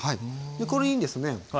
でこれにですね